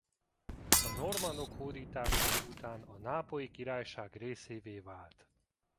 A normannok hódításai után a Nápolyi Királyság részévé vált.